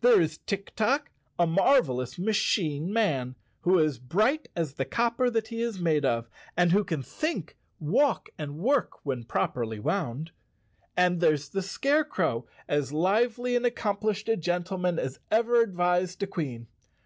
There is Tik Tok, a marvelous machine man who is bright as the copper that he is made of, and who can think, walk and work when properly wound. And there's the Scare¬ crow, as lively and accomplished a gentleman as ever advised a Queen.